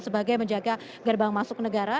sebagai menjaga gerbang masuk negara